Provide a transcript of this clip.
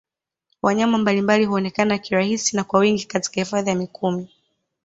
Wanyama mbalimbali huonekana kirahisi na kwa wingi Katika Hifadhi ya Mikumi